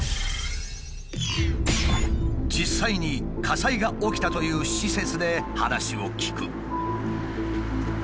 実際に火災が起きたという施設で話を聞く。